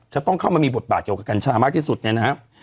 จะต้องเข้ามามีบทบาทเกี่ยวกับกัญชามากที่สุดเนี่ยนะครับ